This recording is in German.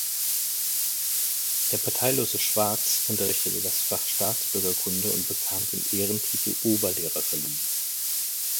Der parteilose Schwarz unterrichtete auch das Fach Staatsbürgerkunde und bekam den Ehrentitel Oberlehrer verliehen.